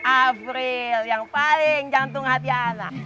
afril yang paling jantung hati anak